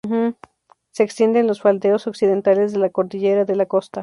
Se extiende en los faldeos occidentales de la Cordillera de la Costa.